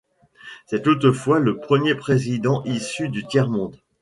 C'est toutefois le premier président issu du tiers monde.